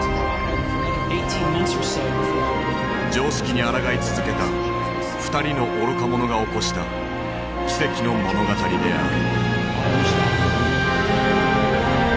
常識にあらがい続けた二人の「愚か者」が起こした奇跡の物語である。